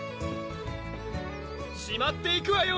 しまっていくわよ！